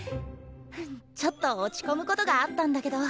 ちょっと落ち込むことがあったんだけど